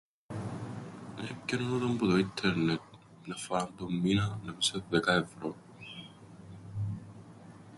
Ε πκιερώννω τον που το ίντερνετ μιαν φοράν τον μήναν δέκα ευρώ.